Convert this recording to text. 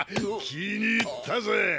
気に入ったぜ。